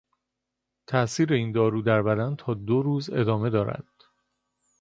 تاثیر این دارو در بدن تا دو روز ادامه دارد.